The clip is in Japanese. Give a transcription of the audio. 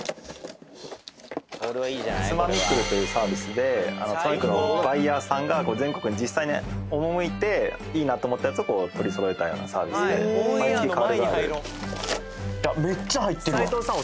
ツマミクルというサービスでツマミクルのバイヤーさんが全国に実際におもむいていいなと思ったやつを取りそろえたようなサービスで毎月代わる代わる斎藤さん